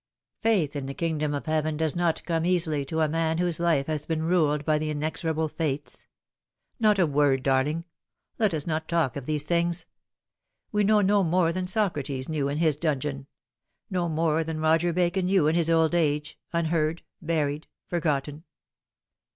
Faith in the King dom of Heaven does not come easily to a man whose Me has been ruled by the inexorable Fates. Not a word, darling ; let us not talk of these things. We know no more than Socrates knew in his dungeon ; no more than Roger Bacon knew in his old age unheard, buried, forgotten.